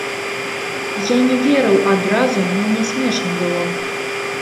Я не верыў адразу, мне смешна было.